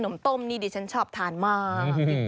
ขนมต้มนี่ดิฉันชอบทานมากจริง